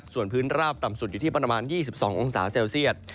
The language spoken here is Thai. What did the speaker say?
ส่วนพื้นราบต่ำสุดอยู่ที่ประมาณ๒๒องศาเซลเซียต